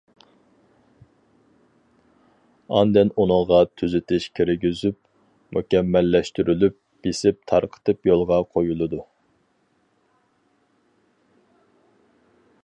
ئاندىن ئۇنىڭغا تۈزىتىش كىرگۈزۈپ، مۇكەممەللەشتۈرۈلۈپ، بېسىپ تارقىتىپ يولغا قويۇلىدۇ.